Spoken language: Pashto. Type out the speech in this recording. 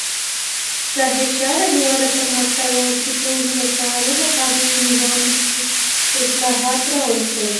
ظاهرشاه د هېواد د پرمختګ او عصري کولو لپاره د قانوني نظام اصلاحات راوستل.